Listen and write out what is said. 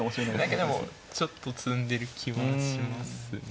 何かでもちょっと詰んでる気はしますね